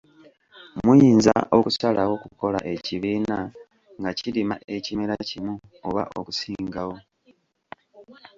Muyinza okusalawo okukola ekibiina nga kirima ekimera kimu oba okusingawo.